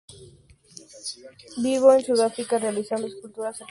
Vivió en Sudáfrica realizando escultura arquitectónica.